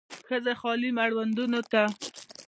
ښځې خالي مړوندونو ته